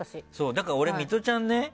だから俺、ミトちゃん